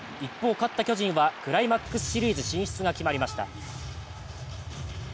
勝った巨人はクライマックスシリーズ進出が決まりました。